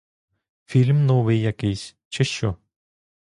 Фільм новий якийсь, чи що?